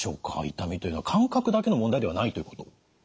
痛みというのは感覚だけの問題ではないということ？